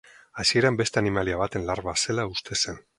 Hasieran beste animalia baten larba zela uste zen.